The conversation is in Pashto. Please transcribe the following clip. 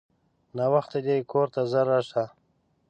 ناوخته دی کورته ژر راسه!